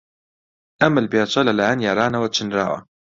ئەم ملپێچە لەلایەن یارانەوە چنراوە.